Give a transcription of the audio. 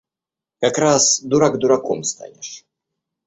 Как раз дурак дураком станешь.